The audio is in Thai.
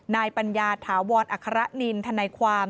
ปัญญาถาวรอัคระนินทนายความ